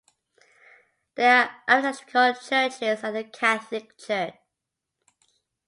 There are evangelical churches and a Catholic church.